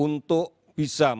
untuk menerapkan protokol